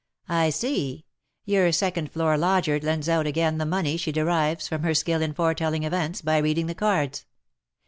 "I see; your second floor lodger lends out again the money she derives from her skill in foretelling events by reading the cards."